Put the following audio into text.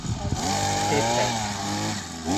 Ertak…